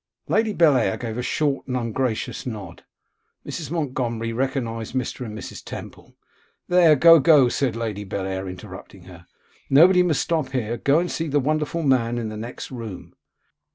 Lady Bellair gave a short and ungracious nod. Mrs. Montgomery recognised Mr. and Miss Temple. 'There, go, go,' said Lady Bellair, interrupting her, 'nobody must stop here; go and see the wonderful man in the next room.